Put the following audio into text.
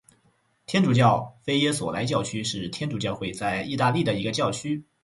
天主教菲耶索莱教区是天主教会在义大利的一个教区。